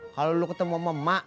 kalo lu ketemu sama mak